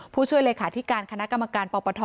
ผู้ช่วยเลยค่ะที่การคณะกรรมการปปท